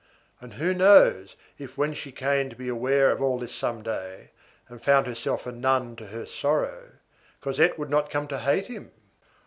And who knows if, when she came to be aware of all this some day, and found herself a nun to her sorrow, Cosette would not come to hate him?